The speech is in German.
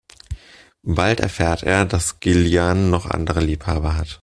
Bald erfährt er, dass Gillian noch andere Liebhaber hat.